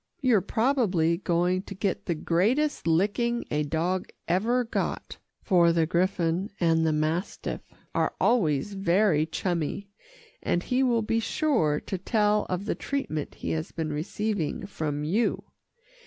You're probably going to get the greatest licking a dog ever got, for the griffon and the mastiff are always very chummy, and he will be sure to tell of the treatment he has been receiving from you.